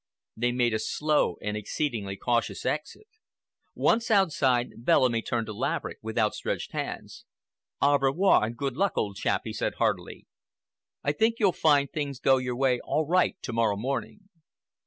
They made a slow and exceedingly cautious exit. Once outside, Bellamy turned to Laverick with outstretched hand. "Au revoir and good luck, old chap!" he said heartily. "I think you'll find things go your way all right to morrow morning."